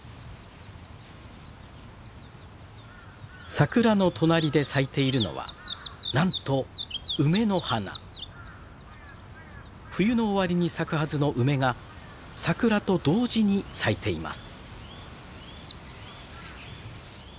桜の隣で咲いているのはなんと冬の終わりに咲くはずの梅が桜と同時に咲いています。